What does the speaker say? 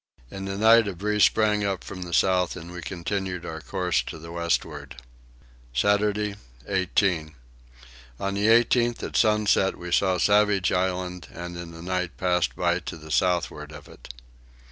In the night a breeze sprang up from the south and we continued our course to the westward. Saturday 18. On the 18th at sunset we saw Savage Island, and in the night passed by to the southward of it.